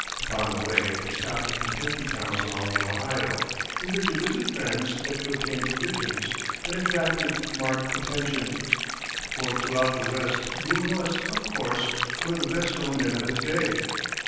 Upon the way they stopped at Kentucky towns along the Ohio, either to visit friends or to obtain provisions, and attracted marked attention, for throughout the West Boone was, of course, one of the best known men of his day.